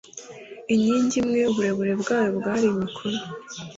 inkingi imwe uburebure bwayo bwari mikono